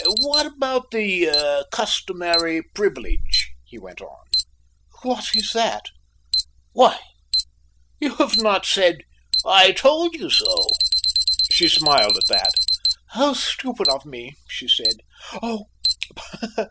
"What about the customary privilege?" he went on. "What is that?" "Why, you have not said 'I told you so.'" She smiled at that. "How stupid of me!" said she. "Oh!